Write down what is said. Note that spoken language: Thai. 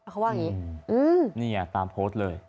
เขาว่าอย่างนี้นี่ตามโพสต์เลย